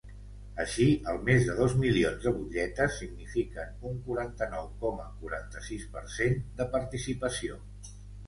Així, els més de dos milions de butlletes signifiquen un quaranta-nou coma quaranta-sis per cent de participació.